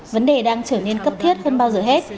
vấn đề đang trở nên cấp thiết hơn bao giờ hết